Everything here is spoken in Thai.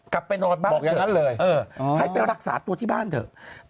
กลับไปนอนบ้านเถอะให้ไปรักษาตัวที่บ้านเถอะบอกอย่างนั้นเลย